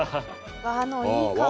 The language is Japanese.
和のいい香り。